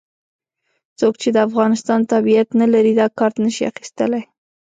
څوک چې د افغانستان تابعیت نه لري دا کارت نه شي اخستلای.